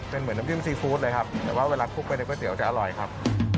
เป็นเหมือนน้ำจิ้มซีฟู้ดเลยครับแต่ว่าเวลาคลุกไปในก๋วจะอร่อยครับ